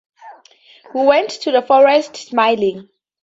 We went to the forest smiling.